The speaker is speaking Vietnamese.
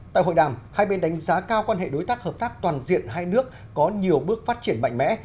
tại hội đàm hai bên đánh giá cao quan hệ đối tác hợp tác toàn diện hai nước có nhiều bước phát triển mạnh mẽ